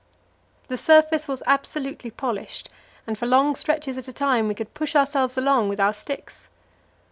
The surface was absolutely polished, and for long stretches at a time we could push ourselves along with our sticks.